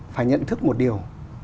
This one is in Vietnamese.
phải nhận thức một điều